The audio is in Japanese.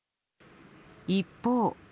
一方。